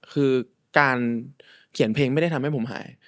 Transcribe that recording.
คือการเขียนเพลงไม่ได้ทำให้ผมหาย